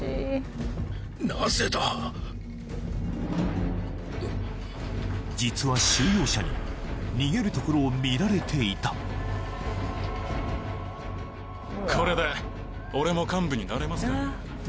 なぜだ実は収容者に逃げるところを見られていたこれで俺も幹部になれますかね